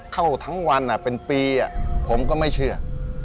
เข้าทั้งวันเป็นปีผมก็ไม่เชื่อ